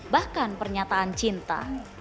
bahkan pernyataan cinta